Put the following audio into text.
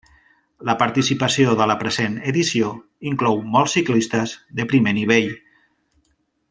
La participació de la present edició inclou molts ciclistes de primer nivell.